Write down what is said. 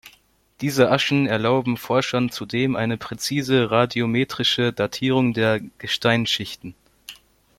Diese Aschen erlauben Forschern zudem eine präzise radiometrische Datierung der Gesteinsschichten.